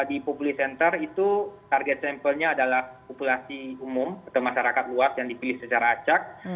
di populi center itu target sampelnya adalah populasi umum atau masyarakat luas yang dipilih secara acak